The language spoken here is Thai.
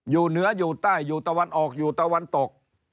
อยู่เหนืออยู่ใต้อยู่ตะวันออกอยู่ตะวันตก